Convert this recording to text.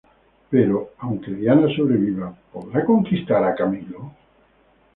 Pero, aunque Diana sobreviva, ¿podrá conquistar a Camilo?